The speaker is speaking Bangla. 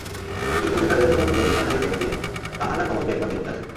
চিকিৎসকদের দ্বারে দ্বারে ভ্রমণ করিয়া ভিক্ষা চাহিতেন যে, তাহারা কমলকে একবার দেখিতে আসুক।